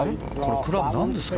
クラブなんですか？